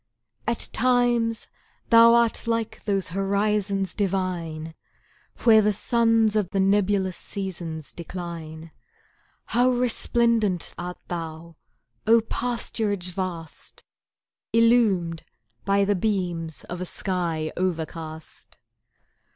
At times thou art like those horizons divine, Where the suns of the nebulous seasons decline; How resplendent art thou O pasturage vast, Illumed by the beams of a sky overcast!